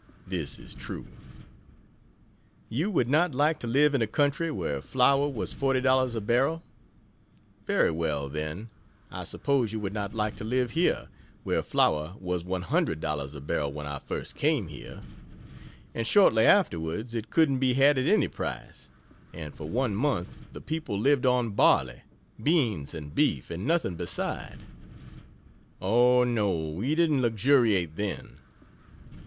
This is true. You would not like to live in a country where flour was $40 a barrel? Very well; then, I suppose you would not like to live here, where flour was $100 a barrel when I first came here. And shortly afterwards, it couldn't be had at any price and for one month the people lived on barley, beans and beef and nothing beside. Oh, no we didn't luxuriate then!